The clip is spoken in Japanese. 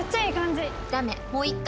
もう一回。